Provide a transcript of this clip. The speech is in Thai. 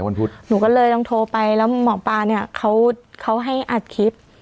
พุธหนูก็เลยต้องโทรไปแล้วหมอปลาเนี่ยเขาให้อัดคลิป